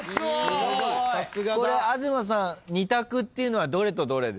これ東さん２択っていうのはどれとどれで？